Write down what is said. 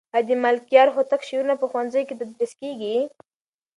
آیا د ملکیار هوتک شعرونه په ښوونځیو کې تدریس کېږي؟